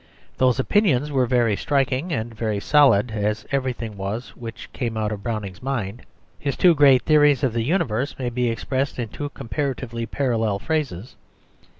Those opinions were very striking and very solid, as everything was which came out of Browning's mind. His two great theories of the universe may be expressed in two comparatively parallel phrases.